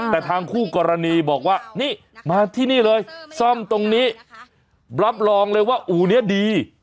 แต่ทางคู่กรณีบอกว่านี่มาที่นี่เลยซ่อมตรงนี้รับรองเลยว่าอู่นี้ดี